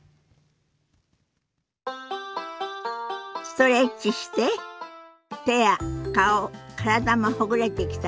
ストレッチして手や顔体もほぐれてきたかしら？